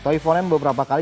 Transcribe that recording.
toivonen beberapa kali